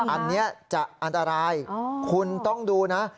อันนี้จะอันตรายคุณต้องดูนะ